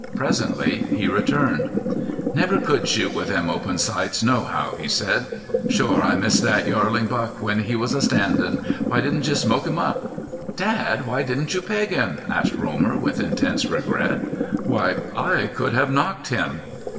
Presently he returned. "Never could shoot with them open sights nohow," he said. "Shore I missed thet yearlin' buck when he was standin'. Why didn't you smoke him up?" "Dad, why didn't you peg him?" asked Romer, with intense regret. "Why, I could have knocked him."